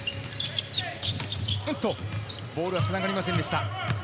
ボールはつながりませんでした。